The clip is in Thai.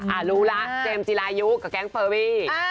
อ่ารู้ละเจมส์จิรายุน์กับแก๊งโฟรี